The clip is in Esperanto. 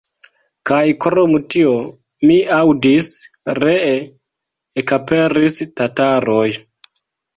Kaj krom tio, mi aŭdis, ree ekaperis tataroj.